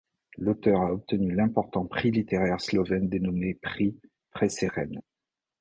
L'auteur a obtenu l'important prix littéraire slovène dénommé Prix Prešeren.